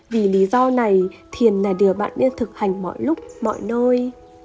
vì lý do này thiền là điều bạn nên thực hành mọi lúc mọi nơi